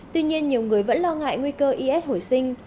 tuy nhiên nhiều người vẫn lo ngại nguy cơ is hồi sinh